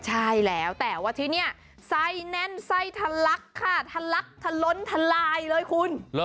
ใช่แล้วแต่ว่าที่นี่ไส้แน่นไส้ทะลักค่ะทะลักทะล้นทลายเลยคุณ